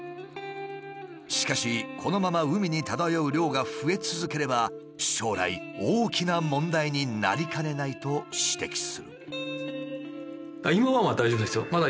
しかしこのまま海に漂う量が増え続ければ将来大きな問題になりかねないと指摘する。